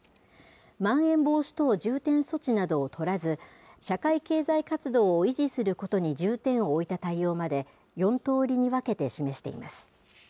まん延防止等重点措置などを取らず、社会経済活動を維持することに重点を置いた対応まで、４通りに分けて示しています。